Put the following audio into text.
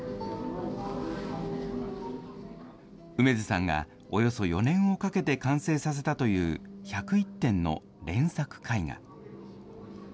楳図さんがおよそ４年をかけて完成させたという、１０１点の連作絵画。